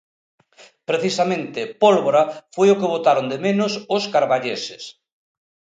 Precisamente pólvora foi o que botaron de menos os carballeses.